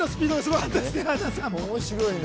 面白いね。